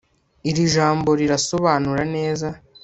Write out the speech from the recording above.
Iri jambo rirabisobanura neza